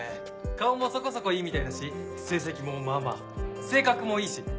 顔もそこそこいいみたいだし成績もまあまあ性格もいいし。